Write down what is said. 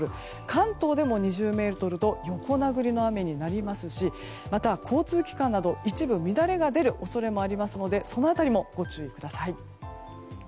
関東でも２０メートルと横殴りの雨になりますしまた、交通機関など一部乱れが出る恐れもありますのでその辺りもご注意ください。